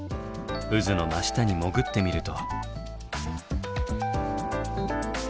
渦の真下に潜ってみると。